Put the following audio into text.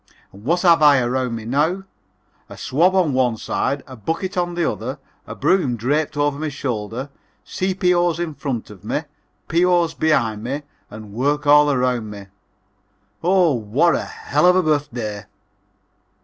And what have I around me now? A swab on one side, a bucket on the other, a broom draped over my shoulder, C.P.O.'s in front of me, P.O.'s behind me and work all around me oh, what a helluvabirthday!